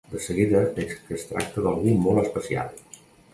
De seguida veig que es tracta d'algú molt especial.